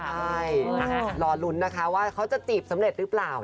ใช่รอลุ้นนะคะว่าเขาจะจีบสำเร็จหรือเปล่า